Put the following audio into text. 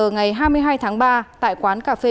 ngày hai mươi hai tháng ba tại quán cà phê